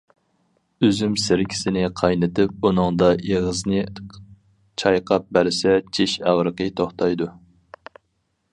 ئۈزۈم سىركىسىنى قاينىتىپ ئۇنىڭدا ئېغىزنى چايقاپ بەرسە، چىش ئاغرىقى توختايدۇ.